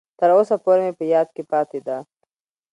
تر اوسه پورې مې په یاد کې پاتې ده.